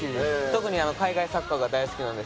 特に海外サッカーが大好きなんですけど。